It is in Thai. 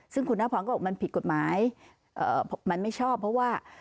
ซึ่งคุณนพรก็บอกมันผิดกฎหมายมันไม่ชอบเพราะว่า